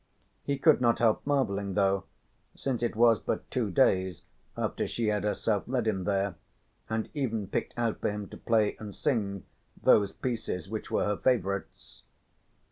He could not help marvelling though, since it was but two days after she had herself led him there, and even picked out for him to play and sing those pieces which were her favourites.